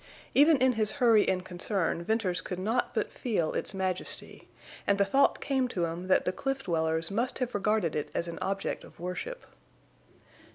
Even in his hurry and concern Venters could not but feel its majesty, and the thought came to him that the cliff dwellers must have regarded it as an object of worship.